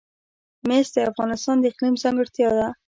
مس د افغانستان د اقلیم ځانګړتیا ده.